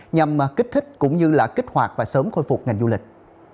nhằm kích thích cũng như là kích hoạt và sớm khôi phục ngành du lịch